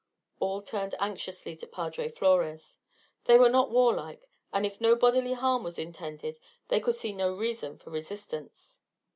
All turned anxiously to Padre Flores. They were not warlike, and if no bodily harm was intended they could see no reason for resistance.